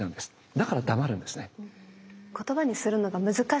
だから黙るんですね。